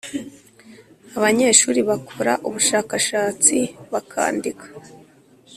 Abanyeshuri bakora ubushakashatsi, bakandika,